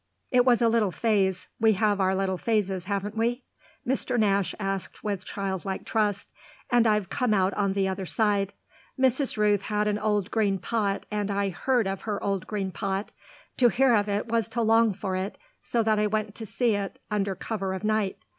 It was a little phase we have our little phases, haven't we?" Mr. Nash asked with childlike trust "and I've come out on the other side. Mrs. Rooth had an old green pot and I heard of her old green pot. To hear of it was to long for it, so that I went to see it under cover of night.